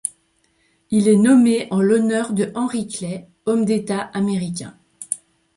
Il est nommé en l'honneur de Henry Clay, homme d'État américain.